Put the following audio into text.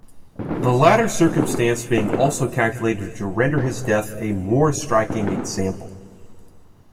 The latter circumstance being also calculated to render his death a more striking example.